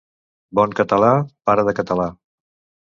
Bon català, pare de català.